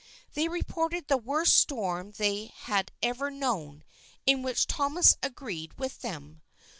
They reported the worst storm they had ever known, in which Thomas agreed with them.